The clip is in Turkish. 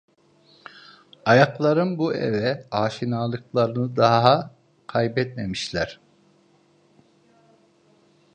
Ayaklarım bu eve aşinalıklarını daha kaybetmemişler.